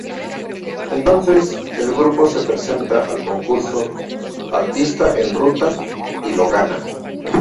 Entonces, el grupo se presenta al concurso "Artistas en ruta" y lo ganan.